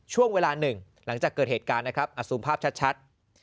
ช่วงเวลาหนึ่งหลังจากเกิดเหตุการณ์นะครับอสุมภาพชัด